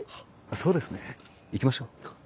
そうですね行きましょうか。